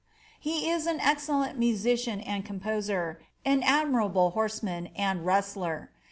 He is an excellent musician and composer, an admirable horseman, and wrestler.